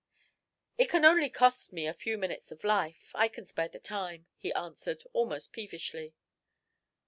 "It can only cost me a few minutes of life I can spare the time," he answered, almost peevishly.